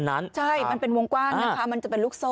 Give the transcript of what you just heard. ใช่มันเป็นวงกว้างนะคะมันจะเป็นลูกโซ่